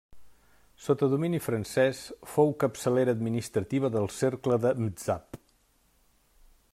Sota domini francès, fou capçalera administrativa del cercle de Mzab.